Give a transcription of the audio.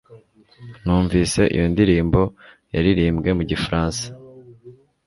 Numvise iyo ndirimbo yaririmbwe mu gifaransa.